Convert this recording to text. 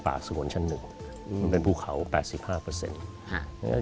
สงวนชั้นหนึ่งอืมเป็นภูเขาแปดสิบห้าเปอร์เซ็นต์